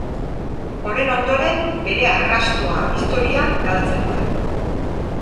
Honen ondoren, bere arrastoa historian galtzen da.